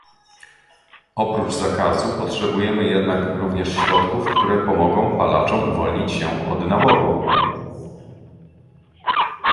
Oprócz zakazu potrzebujemy jednak również środków, które pomogą palaczom uwolnić się od nałogu